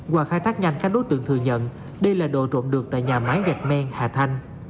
qua khai thác nhanh các đối tượng thừa nhận đây là đồ trộm được tại nhà máy gạch men hà thanh